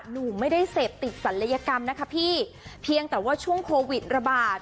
หนูไม่ได้เสพติดศัลยกรรมนะคะพี่เพียงแต่ว่าช่วงโควิดระบาด